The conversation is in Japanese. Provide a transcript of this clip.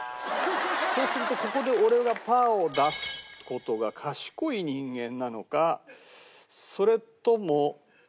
そうするとここで俺がパーを出す事が賢い人間なのかそれとも。